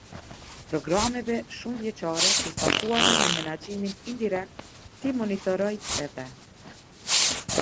Programeve shumëvjeçare të zbatuara nën menaxhimin indirekt, t'i monitorojë edhe.